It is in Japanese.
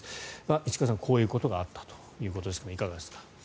石川さん、こういうことがあったということですがいかがですか。